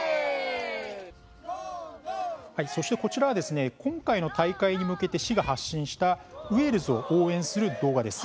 こちらは今回の大会に向けて市が発信したウェールズを応援する動画です。